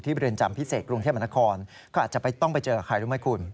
ที่เรือนจำพิเศษกรุงเทียบมนาคมเขาก็จะไปต้องไปเจอใครรึไม่คุณ